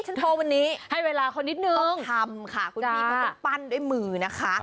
โทรวันนี้ให้เวลาเขานิดนึงต้องทำค่ะคุณพี่เขาต้องปั้นด้วยมือนะคะ